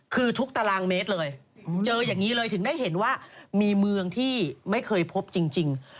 คือทุกตารางเมตรเลยเจออย่างนี้เลยถึงได้เห็นว่ามีเมืองที่ไม่เคยพบจริง